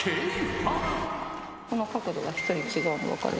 この角度が１人違うの分かる？